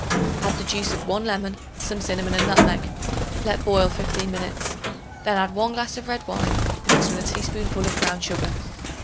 Add the juice of 1 lemon, some cinnamon and nutmeg; let boil fifteen minutes. Then add 1 glass of red wine, mixed with a teaspoonful of brown sugar.